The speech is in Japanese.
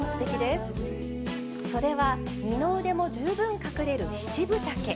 そでは二の腕も十分隠れる七分丈。